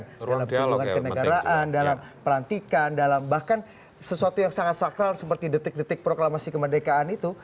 dalam kunjungan kenegaraan dalam pelantikan dalam bahkan sesuatu yang sangat sakral seperti detik detik proklamasi kemerdekaan itu